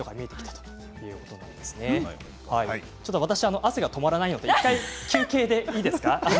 私、汗が止まらないので１回、休憩でいいですか。